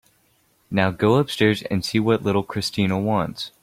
Now go upstairs and see what little Christina wants.